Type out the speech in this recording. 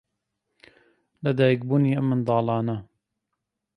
لەدایکبوونی ئەم منداڵانە